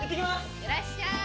いってらっしゃい。